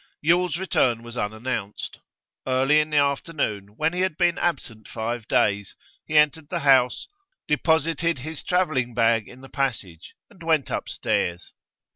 Yule's return was unannounced. Early in the afternoon, when he had been absent five days, he entered the house, deposited his travelling bag in the passage, and went upstairs.